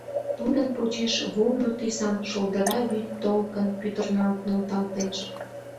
Тудын почеш вулно тӱсан шолдыра вӱд толкын пӱтырналт нӧлталтеш.